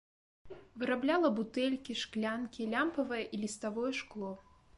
Вырабляла бутэлькі, шклянкі, лямпавае і ліставое шкло.